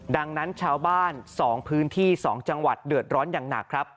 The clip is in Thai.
ดังนั้นชาวบ้าน๒พื้นที่๒จังหวัดเดือดร้อนอย่างหนักครับ